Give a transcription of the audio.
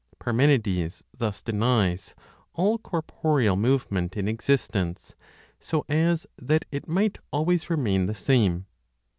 Parmenides thus denies all corporeal movement in existence, so as that it might always remain the same.